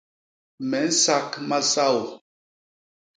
Me nsak masaô.